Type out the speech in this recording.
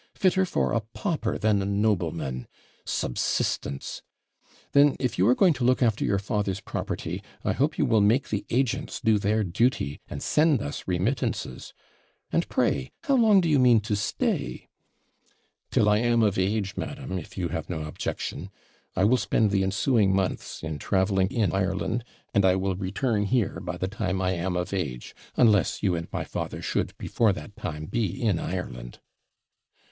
fitter for a pauper than a nobleman subsistence! Then, if you are going to look after your father's property, I hope you will make the agents do their duty, and send us remittances. And pray how long do you mean to stay?' 'Till I am of age, madam, if you have no objection. I will spend the ensuing months in travelling in Ireland; and I will return here by the time I am of age, unless you and my father should, before that time, be in Ireland.'